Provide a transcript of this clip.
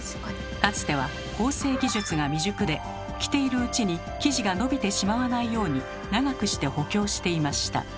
かつては縫製技術が未熟で着ているうちに生地が伸びてしまわないように長くして補強していました。